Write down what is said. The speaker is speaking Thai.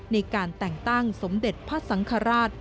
ในการแต่งตั้งสมเด็จพระสังฆราช